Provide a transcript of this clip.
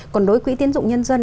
còn đối với quỹ tiến dụng nhân dân